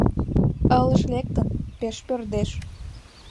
Ылыж лектын, пеш пӧрдеш.